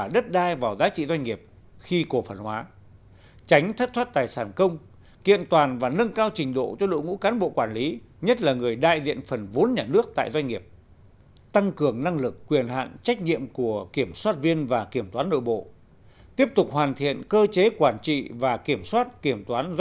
để bảo vệ tài sản công trong quá trình cổ phần hóa